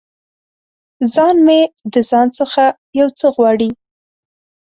ځان مې د ځان څخه یو څه غواړي